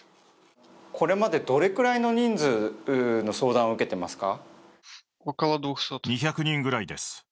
これまでどれくらいの人数の相談を受けていますか？